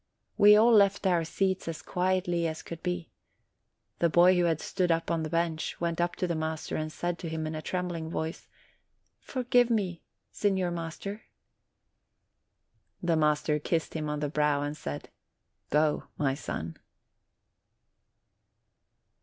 We all left our seats as quietly as could be. The boy who had stood upon the bench went up to the master, and said to him, in a trembling voice: "Forgive me, Signor Master." The master kissed him on the brow, and said, "Go, my son."